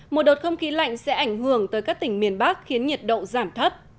một đợt không khí lạnh sẽ ảnh hưởng tới các tỉnh miền bắc khiến nhiệt độ giảm thấp